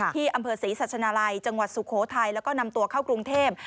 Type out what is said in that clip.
ที่อำเภอศรีสัชนาลัยจังหวัดสุโขทัยแล้วก็นำตัวเข้ากรุงเทพ